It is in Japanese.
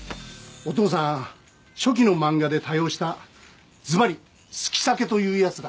お父さん初期の漫画で多用したズバリ「好き避け」というやつだ